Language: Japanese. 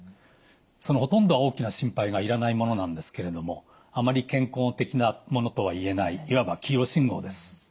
そのほとんどは大きな心配がいらないものなんですけれどもあまり健康的なものとは言えないいわば黄色信号です。